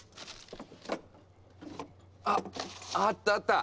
あっあったあった！